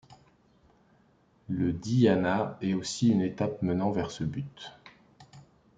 Le dhyāna est aussi une étape menant vers ce but.